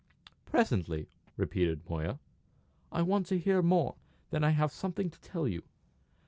"Presently," repeated Moya. "I want to hear more; then I may have something to tell you.